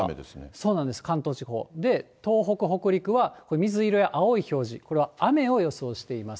そうなんです、関東地方、東北、北陸は、水色や青い表示これは雨を予想しています。